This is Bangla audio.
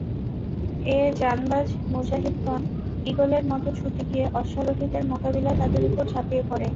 এ জানবাজ মুজাহিদগণ ঈগলের মত ছুটে গিয়ে অশ্বারোহীদের মোকাবিলায় তাদের উপর ঝাঁপিয়ে পড়ে।